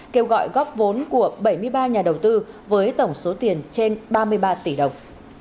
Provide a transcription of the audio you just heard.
kêu gọi góp vốn của bảy mươi ba nhà đầu tư với tổng số tiền trên ba mươi ba tỷ đồng